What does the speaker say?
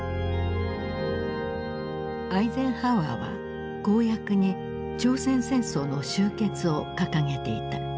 アイゼンハワーは公約に朝鮮戦争の終結を掲げていた。